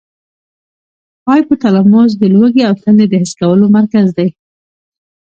هایپو تلاموس د لوږې او تندې د حس کولو مرکز دی.